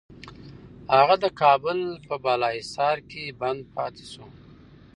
هغه د کابل په بالاحصار کي بند پاتې شو.